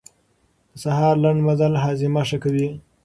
د سهار لنډ مزل هاضمه ښه کوي.